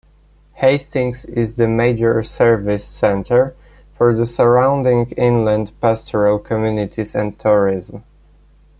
Hastings is the major service centre for the surrounding inland pastoral communities and tourism.